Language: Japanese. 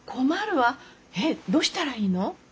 えっどうしたらいいの？